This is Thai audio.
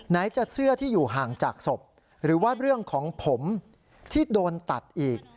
ไหนจะเสื้อที่อยู่ห่างจากศพหรือว่าเรื่องของผมที่โดนตัดอีก